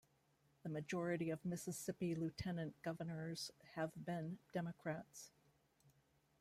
The majority of Mississippi Lieutenant Governors have been Democrats.